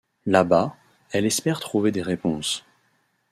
Là bas, elle espère trouver des réponses.